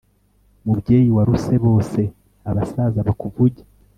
mubyeyi waruse bose, abasaza bakuvuge